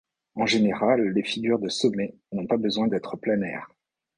En général, les figures de sommet n’ont pas besoin d’être planaires.